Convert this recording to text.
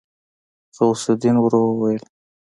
غوث الدين ورو وويل.